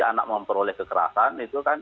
anak memperoleh kekerasan itu kan